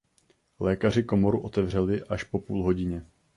Lékaři komoru otevřeli až po půl hodině.